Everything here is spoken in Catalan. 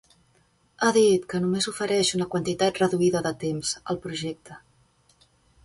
Ha dit que "només ofereix una quantitat reduïda de temps" al projecte.